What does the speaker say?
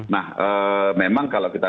nah memang kalau kita